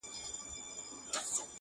• ښایسته به وي بې حده، بې قیاسه -